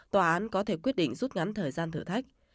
tòa án có thể quyết định rút ngắn thời gian thử thách